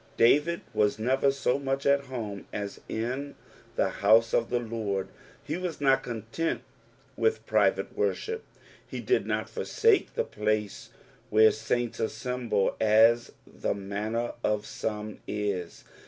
David was never so much at home as in the house of the Lord ; he was not content with private worship ; he did not forsake the place where saints assemble, as the manner of some ia.